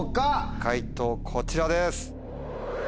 解答こちらです。